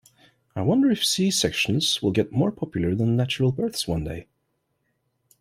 I wonder if C-sections will get more popular than natural births one day.